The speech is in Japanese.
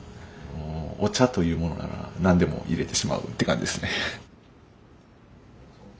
お茶というものなら何でも入れてしまうって感じですね。